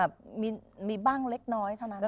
ครับก็มีบ้างเล็กน้อยเท่านั้นค่ะ